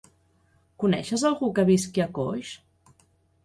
Coneixes algú que visqui a Coix?